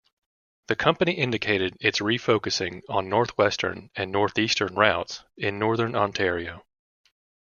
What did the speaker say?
The company indicated it's refocusing on northwestern and northeastern routes in Northern Ontario.